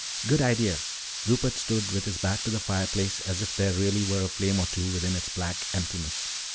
"Good idea." Rupert stood with his back to the fireplace as if there really were a flame or two within its black emptiness.